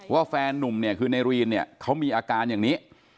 แฟนนุ่มเนี่ยคือในรีนเนี่ยเขามีอาการอย่างนี้